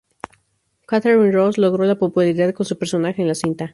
Katharine Ross logró la popularidad con su personaje en la cinta.